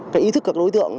cái ý thức của đối tượng